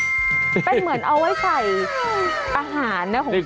เป็นเหมือนเอาไว้ใส่อาหารนะของเขา